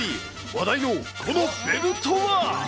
話題のこのベルトは？